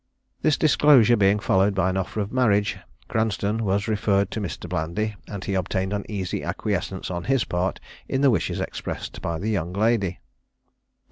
This disclosure being followed by an offer of marriage, Cranstoun was referred to Mr. Blandy, and he obtained an easy acquiescence on his part in the wishes expressed by the young lady.